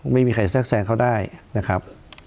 ไม่มีใครแทรกแซงเขาได้นะครับ